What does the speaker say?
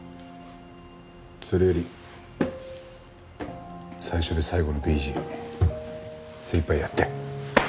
それより最初で最後のＢＧ精いっぱいやって。